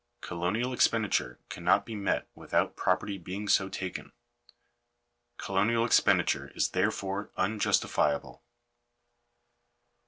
Colonial expenditure can* not be met without property being so taken. Colonial expen diture is therefore unjustifiable.